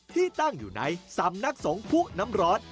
ที่ตั้งอยู่ในสำนักสงพุนำรอด